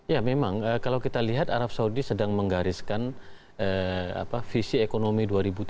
ya memang kalau kita lihat arab saudi sedang menggariskan visi ekonomi dua ribu tujuh belas